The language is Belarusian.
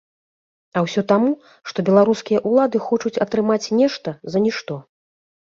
А ўсё таму, што беларускія ўлады хочуць атрымаць нешта за нішто.